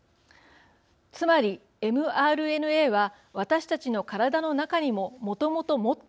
つまりｍＲＮＡは私たちの体の中にももともと持っているものです。